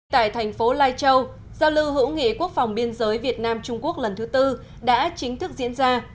tại thành phố lai châu giao lưu hữu nghị quốc phòng biên giới việt nam trung quốc lần thứ tư đã chính thức diễn ra